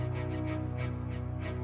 aku harus melayanginya dengan baik